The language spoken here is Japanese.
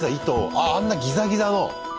あああんなギザギザの。